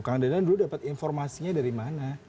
kang dadan dulu dapat informasinya dari mana